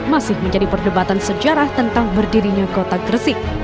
masih menjadi perdebatan sejarah tentang berdirinya kota gresik